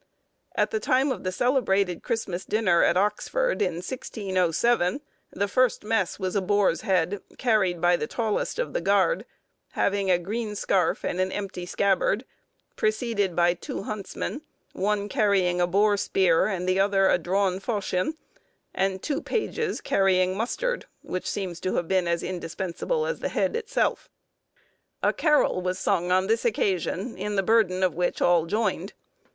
At the time of the celebrated Christmas dinner, at Oxford, in 1607, the first mess was a boar's head, carried by the tallest of the guard, having a green scarf and an empty scabbard, preceded by two huntsmen, one carrying a boar spear and the other a drawn faucion, and two pages carrying mustard, which seems to have been as indispensable as the head itself. A carol was sung on the occasion, in the burden of which all joined.